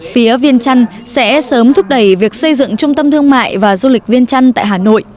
phía viên trăn sẽ sớm thúc đẩy việc xây dựng trung tâm thương mại và du lịch viên chăn tại hà nội